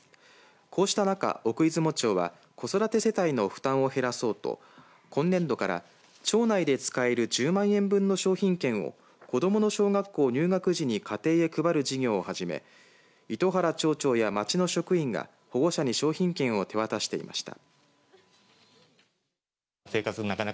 こうした中、奥出雲町は子育て世帯の負担を減らそうと今年度から町内で使える１０万円分の商品券を子どもの小学校入学時に家庭に配る事業を始め糸原町長や町の職員が保護者に商品券を手渡していました。